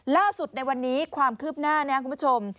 ล่าสุดในวันนี้ความคืบหน้านะครับคุณผู้ชม